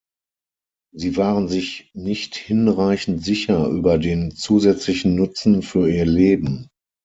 Sie waren sich nicht hinreichend sicher über den zusätzlichen Nutzen für ihr Leben.